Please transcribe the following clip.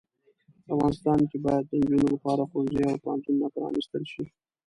په افغانستان کې باید د انجونو لپاره ښوونځې او پوهنتونونه پرانستل شې.